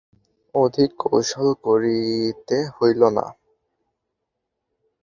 অধিক কৌশল করিতে হইল না।